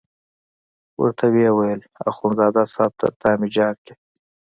ورته ویې ویل اخندزاده صاحب تر تا مې ځار کړې.